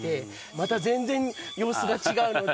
また全然、様子が違うので。